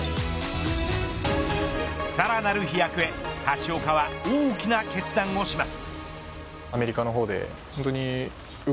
さらなる飛躍へ橋岡は大きな決断をします。